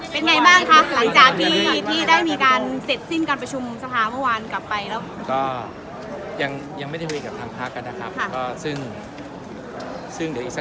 เป็นไงบ้างคะหลังจากที่ได้มีการเสร็จสิ้นการประชุมสถาเมื่อวานกลับไปแล้ว